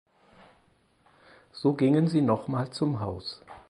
So gingen sie nochmal zum Haus.